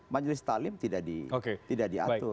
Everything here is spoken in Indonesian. majelis talim tidak diatur